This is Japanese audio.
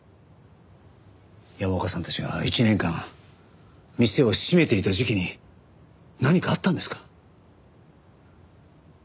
山岡さんたちが１年間店を閉めていた時期に何かあったんですか？